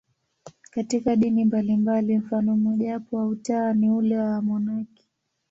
Katika dini mbalimbali, mfano mmojawapo wa utawa ni ule wa wamonaki.